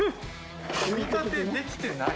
組み立てできてない。